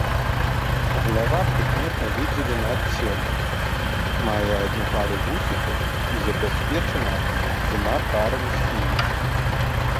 Галава прыкметна выдзелена ад цела, мае адну пару вусікаў і забяспечаная трыма парамі сківіц.